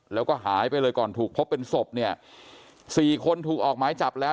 แล้วก็หายไปเลยก่อนถูกพบเป็นศพเนี่ยสี่คนถูกออกหมายจับแล้ว